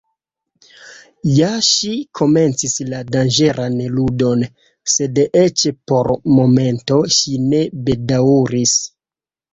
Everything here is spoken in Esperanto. Ja ŝi komencis la danĝeran ludon, sed eĉ por momento ŝi ne bedaŭris.